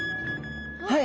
はい。